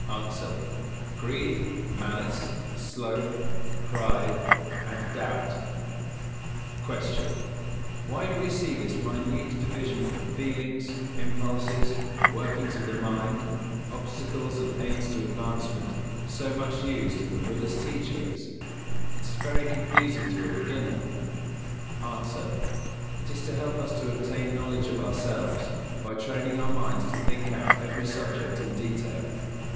_ A. Greed, Malice, Sloth, Pride, and Doubt. 248. Q. _Why do we see this minute division of feelings, impulses, workings of the mind, obstacles and aids to advancement so much used in the Buddha's teachings? It is very confusing to a beginner._ A. It is to help us to obtain knowledge of ourselves, by training our minds to think out every subject in detail.